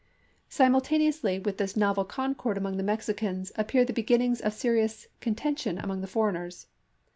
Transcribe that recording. Simultaneously with this novel concord among the Mexicans appeared the beginnings of serious contention among the foreigners.